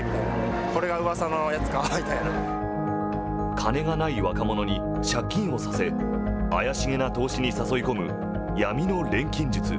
金がない若者に借金をさせ怪しげな投資に誘い込む闇の錬金術。